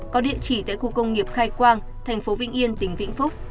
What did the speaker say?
có địa chỉ tại khu công nghiệp khai quang thành phố vĩnh yên tỉnh vĩnh phúc